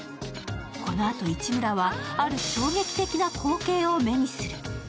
このあと市村はある衝撃的な光景を目にする。